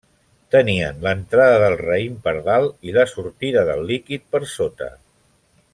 Tenien l'entrada del raïm per dalt i la sortida del líquid per sota.